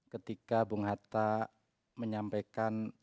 ketika bung hatta menyampaikan